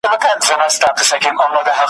چي لا په غرونو کي ژوندی وي یو افغان وطنه`